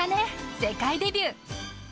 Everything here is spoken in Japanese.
世界デビュー。